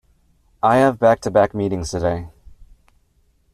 I have back-to-back meetings today.